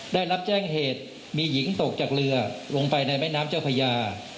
ได้รับแจ้งเหตุมีหญิงตกจากเรือลงไปในแม่น้ำเจ้าพญา